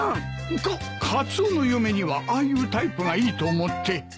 カッカツオの嫁にはああいうタイプがいいと思って。